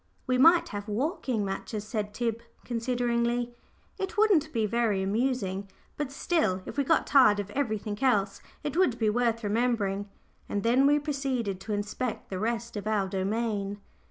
"We might have walking matches," said Tib, consideringly. "It wouldn't be very amusing; but still, if we got tired of everything else, it would be worth remembering;" and then we proceeded to inspect the rest of our domain.